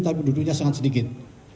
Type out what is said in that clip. tapi duduknya sangat sedikit